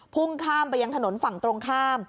พุ่งข้ามไปยังถนนฝั่งตรงข้าม